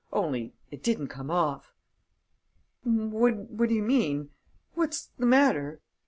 Only, it didn't come off!" "What do you mean? What's the matter?"